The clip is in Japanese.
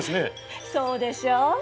そうでしょ？